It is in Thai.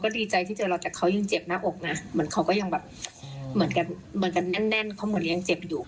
อาหารจานชามทุกสิ่งอย่างก็แยกห้องนอนกันอยู่